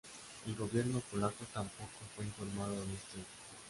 El gobierno polaco tampoco fue informado de este hecho.